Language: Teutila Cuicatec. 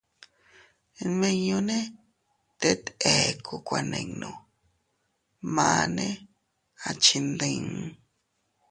Nmiñunne tet ekku kuaninnu, manne a chindii.